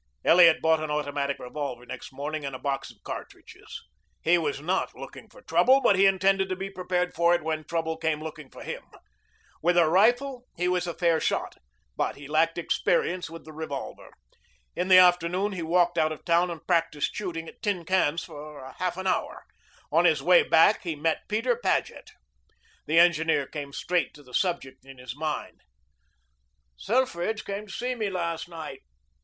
Elliot bought an automatic revolver next morning and a box of cartridges. He was not looking for trouble, but he intended to be prepared for it when trouble came looking for him. With a rifle he was a fair shot, but he lacked experience with the revolver. In the afternoon he walked out of town and practiced shooting at tin cans for a half an hour. On his way back he met Peter Paget. The engineer came straight to the subject in his mind. "Selfridge came to see me last night.